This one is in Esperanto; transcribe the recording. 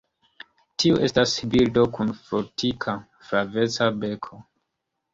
Tiu estas birdo kun fortika, flaveca beko.